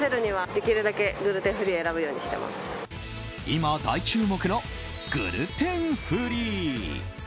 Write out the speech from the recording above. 今、大注目のグルテンフリー。